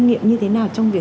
giữ vỉa hè